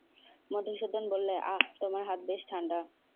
মধুসূদন বললে, আঃ, তোমার হাত বেশ ঠাণ্ডা।